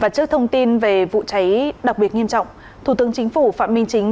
trước thông tin về vụ cháy đặc biệt nghiêm trọng thủ tướng chính phủ phạm minh chính